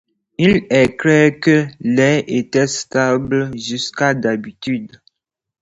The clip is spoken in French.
Il est clair que l'air était stable jusqu'à d'altitude.